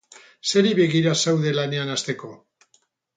Zeri begira zaude lanean hasteko?